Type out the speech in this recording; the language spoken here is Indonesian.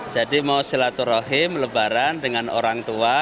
jadi mau silaturohim lebaran dengan orang tua